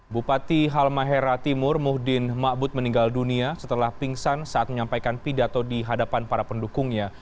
bupati halmahera timur muhdin ⁇ mabud ⁇ meninggal dunia setelah pingsan saat menyampaikan pidato di hadapan para pendukungnya